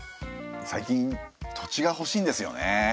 最近土地がほしいんですよね。